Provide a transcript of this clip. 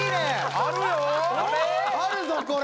あるぞこれ！